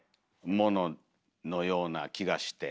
もののような気がして。